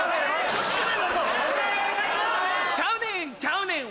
ちゃうねん！